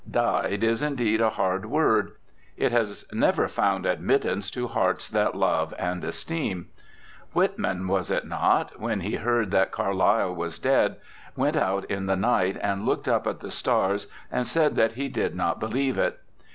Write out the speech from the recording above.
"Died" is indeed a hard word. It has never found admittance to hearts that love and esteem. Whitman (was it not?) when he heard that Carlyle was dead went out in the night and looked up at the stars and said that he did not believe it.